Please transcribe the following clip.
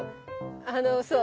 あのそう。